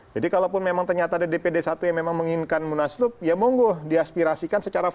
jadi kalaupun memang ternyata ada dpd satu yang memang menginginkan munaslub ya monggo diaspirasi